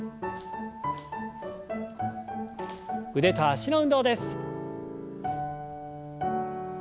腕と脚の運動です。